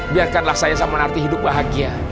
biarkanlah saya saman arti hidup bahagia